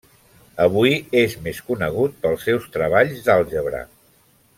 Avui és més conegut pels seus treballs d'àlgebra.